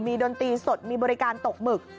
ดนตรีสดมีบริการตกหมึก